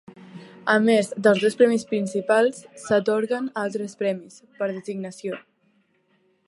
A més dels dos premis principals, s'atorguen altres premis, per designació.